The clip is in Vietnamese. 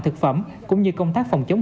thực phẩm cũng như công tác phòng chống